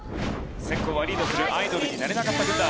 先攻はリードするアイドルになれなかった軍団。